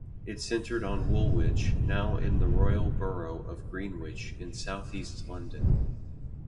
It centred on Woolwich, now in the Royal Borough of Greenwich in south-east London.